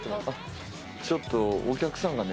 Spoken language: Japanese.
ちょっとお客さんがね